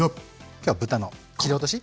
今日は豚の切り落とし。